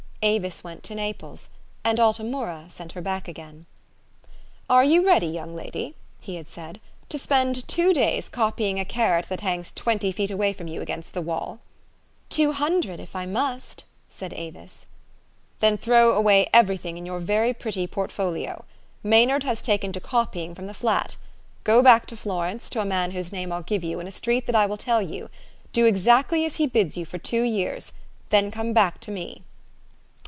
Avis went to Naples, and Alta Mura sent her back again. " Are you ready, young lady," he had said, " to spend two days copying a carrot that hangs twenty feet awa} T from you against the wall? "" Two hundred, if I must," said Avis. '' Then throw away every thing in your very pretty portfolio. Ma}*nard has taken to copying from the flat. Go back to Florence, to a man whose name I'll give you, in a street that I will tell you. Do exactly as he bids you for two years ; then come back to me."